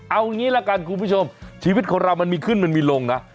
เอางี้ละกันคุณผู้ชมชีวิตของเรามันมีขึ้นมันมีลงนะ